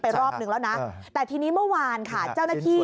รอบนึงแล้วนะแต่ทีนี้เมื่อวานค่ะเจ้าหน้าที่